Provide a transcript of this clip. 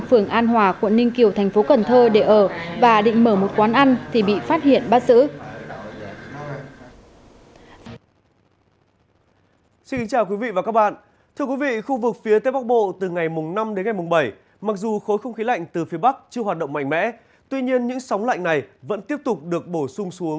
phường an hòa quận ninh kiều thành phố cần thơ để ở và định mở một quán ăn thì bị phát hiện bắt giữ